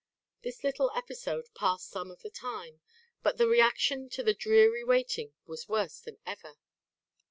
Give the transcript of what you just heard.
This little episode passed some of the time; but the reaction to the dreary waiting was worse than ever.